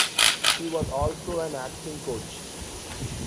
She was also an acting coach.